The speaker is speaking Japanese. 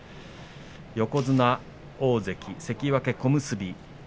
横綱、大関、関脇、小結